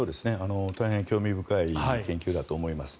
大変興味深い研究だと思います。